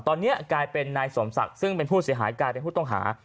ตอนนี้กลายเป็นนายสมศักดิ์ซึ่งเป็นผู้เสียหายกลายเป็นผู้ต้องหา